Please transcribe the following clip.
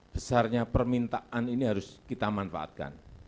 besarnya permintaan ini harus kita manfaatkan